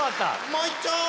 もういっちょう！